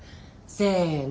せの！